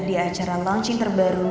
di acara launching terbaru